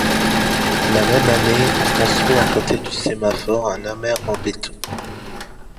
La même année, on construit à côté du sémaphore un amer en béton.